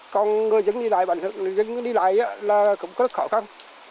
còn người dân đi lại là cũng rất khó khăn